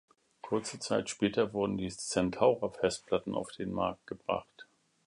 Kurze Zeit später wurden die "Centaur"-Festplatten auf den Markt gebracht.